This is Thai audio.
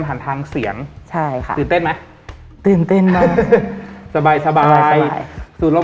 ผ่านทางเสียงใช่ค่ะตื่นเต้นไหมตื่นเต้นนะสบายสบายสู่โลก